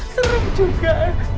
seram juga aku